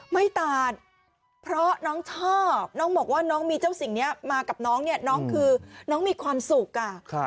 ไม่ตัดเพราะน้องชอบน้องบอกว่าน้องมีเจ้าสิ่งนี้มากับน้องเนี่ยน้องคือน้องมีความสุขอ่ะ